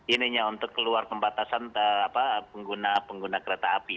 ininya untuk keluar pembatasan pengguna kereta api